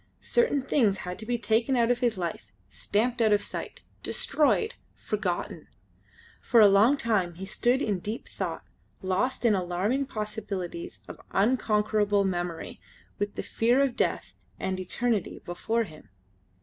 Certain things had to be taken out of his life, stamped out of sight, destroyed, forgotten. For a long time he stood in deep thought, lost in the alarming possibilities of unconquerable memory, with the fear of death and eternity before him.